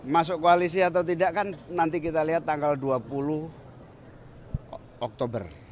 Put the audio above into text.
masuk koalisi atau tidak kan nanti kita lihat tanggal dua puluh oktober